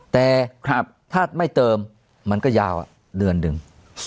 แต่ถ้าไม่เติมมันก็ยาวเดือนหนึ่ง